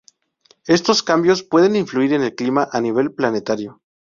Estos cambios pueden influir en el clima a nivel planetario.